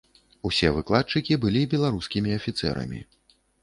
Усе выкладчыкі былі беларускімі афіцэрамі.